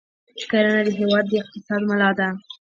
کرنه د هېواد د اقتصاد ملا ده.